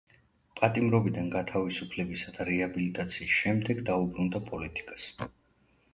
პატიმრობიდან გათავისუფლებისა და რეაბილიტაციის შემდეგ დაუბრუნდა პოლიტიკას.